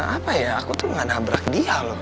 apa ya aku tuh gak nabrak dia loh